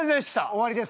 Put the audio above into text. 終わりです。